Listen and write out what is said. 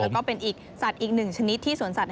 แล้วก็เป็นอีกสัตว์อีกหนึ่งชนิดที่สวนสัตว